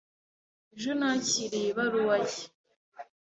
Ejo nakiriye ibaruwa ye.